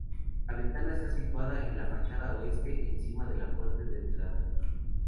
La ventana está situada en la fachada oeste, encima de la puerta de entrada.